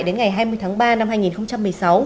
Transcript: đến ngày hai mươi tháng ba năm hai nghìn một mươi sáu